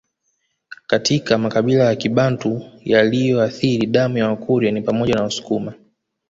Katika makabila ya Kibantu yaliyoathiri damu ya Wakurya ni pamoja na Wasukuma